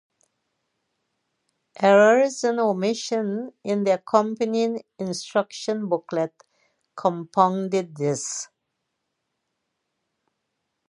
Errors and omissions in the accompanying instruction booklet compounded this.